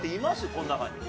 この中に。